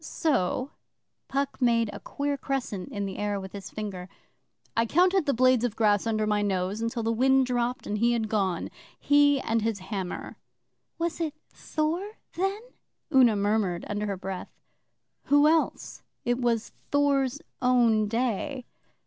So' Puck made a queer crescent in the air with his finger 'I counted the blades of grass under my nose till the wind dropped and he had gone he and his Hammer.' 'Was it Thor then?' Una murmured under her breath. 'Who else? It was Thor's own day.